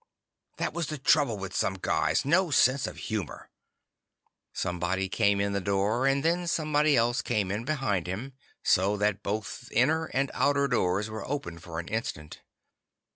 That was the trouble with some guys. No sense of humor. Somebody came in the door and then somebody else came in behind him, so that both inner and outer doors were open for an instant.